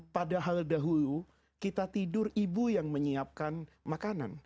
padahal dahulu kita tidur ibu yang menyiapkan makanan